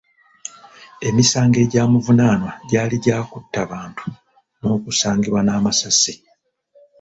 Emisango egyamuvunaanwa gyali gya kutta bantu n’okusangibwa n’amasasi.